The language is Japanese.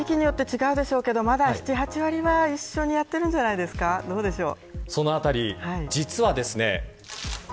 地域によって違うでしょうけどまだ７、８割は一緒にやっているんじゃないですかどうでしょう。